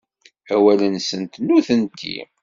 Awal-nsent, nutenti.